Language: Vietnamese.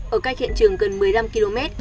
ở cách hiện trường gần một mươi năm km